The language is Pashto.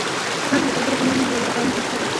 ځان له تربوره کم نه راولي، قرباني خامخا کوي.